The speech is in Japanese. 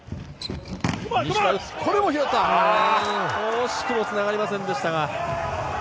惜しくもつながりませんでした。